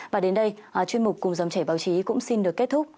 và đến đây chuyên mục cùng dòng chảy báo chí cũng xin được kết thúc